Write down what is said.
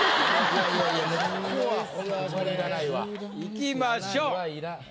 いきましょう。